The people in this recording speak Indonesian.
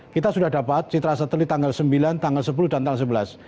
kita sudah dapat citra satelit tanggal sembilan tanggal sepuluh dan tanggal sebelas